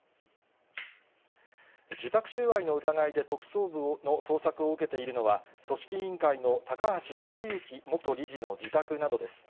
受託収賄の疑いで特捜部の捜索を受けているのは、組織委員会の高橋治之元理事の自宅などです。